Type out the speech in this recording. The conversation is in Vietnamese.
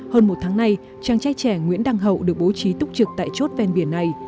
hơn một tháng nay chàng trai trẻ nguyễn đăng hậu được bố trí túc trực tại chốt ven biển này